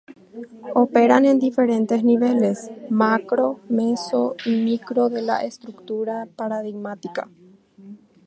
Operan en diferentes niveles: macro, meso y micro de la estructura paradigmática.